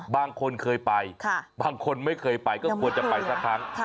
บางคนเคยไปบางคนไม่เคยไปก็ควรจะไปสักครั้ง